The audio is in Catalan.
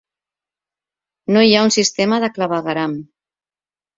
No hi ha un sistema de clavegueram.